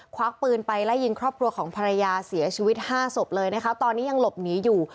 วักปืนไปไล่ยิงครอบครัวของภรรยาเสียชีวิตห้าศพเลยนะคะตอนนี้ยังหลบหนีอยู่